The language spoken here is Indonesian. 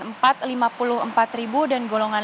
empat rp lima puluh empat dan golongan